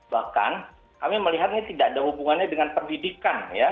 bahkan kami melihat ini tidak ada hubungannya dengan pendidikan ya